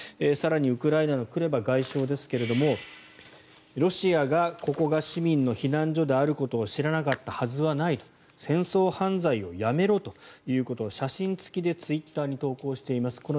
更にウクライナのクレバ外相ですがロシアがここが市民の避難所であることを知らなかったはずはない戦争犯罪をやめろということを写真付きでツイッターに投稿しています。